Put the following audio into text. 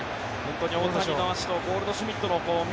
大谷の足とゴールドシュミットの。